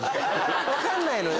分かんないのよ。